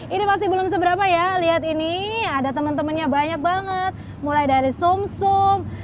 ini masih belum seberapa ya lihat ini ada temen temennya banyak banget mulai dari somsom